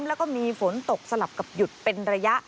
แล้วก็มีฝนตกสลับกับหยุดเป็นระยะ